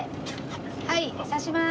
はい差します。